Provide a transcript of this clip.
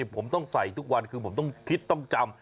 ผมต้องใส่ทุกวันคือผมต้องคิดต้องจำ